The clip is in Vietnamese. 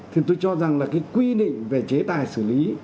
thì tôi cho rằng là cái quy định về chế tài xử lý